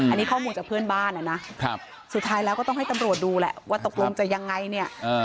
อันนี้ข้อมูลจากเพื่อนบ้านอ่ะนะสุดท้ายแล้วก็ต้องให้ตำรวจดูแหละว่าตกลงจะยังไงเนี่ย